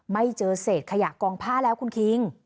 ไม่เจอเศษขยะกองผ้าแล้วคุณคิง